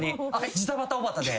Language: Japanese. じたばたおばたで。